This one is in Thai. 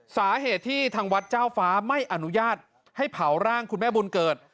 สาเหตุที่ทางวัดเจ้าฟ้าไม่อนุญาตให้เผาร่างคุณแม่บุญเกิด